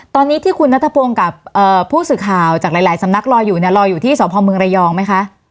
ตอนนี้ที่คุณนัทพงศ์กับผู้สื่อข่าวจากหลายสำนักรออยู่เนี่ยรออยู่ที่สพเมืองระยองไหมคะ